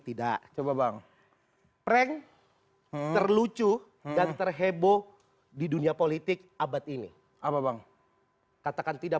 tidak coba bang prank terlucu dan terheboh di dunia politik abad ini apa bang katakan tidak